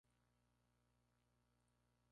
Como sea contamos con nosotros.